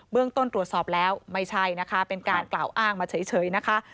เรื่องต้นตรวจสอบแล้วไม่ใช่นะคะเป็นการกล่าวอ้างมาเฉยนะคะ